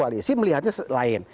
sisi melihatnya lain